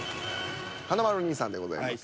華丸兄さんでございます。